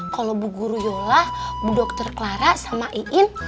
kalau bu guru yola bu dr clara sama iin